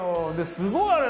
すごいあれ。